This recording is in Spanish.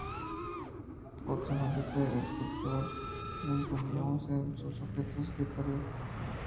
Otra faceta del escultor la encontramos en sus objetos de pared.